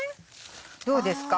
どうですか？